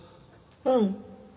うん。